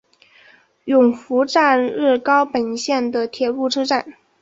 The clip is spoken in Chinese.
勇拂站日高本线的铁路车站。